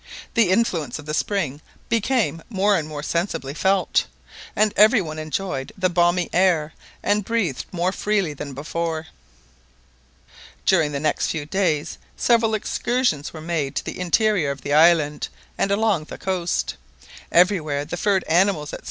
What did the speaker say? The influence of the spring became more and more sensibly felt, and every one enjoyed the balmy air, and breathed more freely than before. During the next few days, several excursions were made to the interior of the island and along the coast. Everywhere the furred animals, &c.